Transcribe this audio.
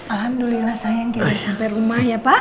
alhamdulillah sayang kita bisa sampai rumah ya pak